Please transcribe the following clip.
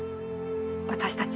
私たち。